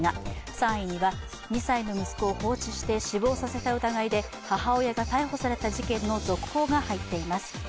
３位には２歳の息子を放置して死亡させた疑いで母親が逮捕された事件の続報が入っています。